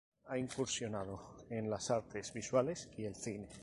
Ha incursionado en las artes visuales y el cine.